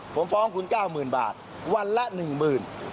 ผมฟ้องคุณ๙๐๐๐บาทวันละ๑๐๐๐บาท